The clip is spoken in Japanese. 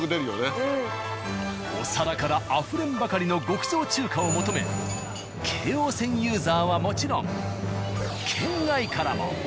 お皿からあふれんばかりの極上中華を求め京王線ユーザーはもちろん県外からも。